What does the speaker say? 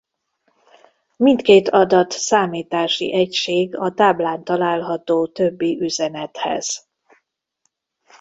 Mindkét adat számítási egység a táblán található többi üzenethez.